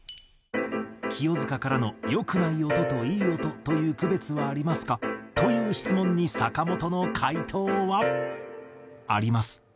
清塚からの「良くない音と良い音という区別はありますか？」という質問に坂本の回答は。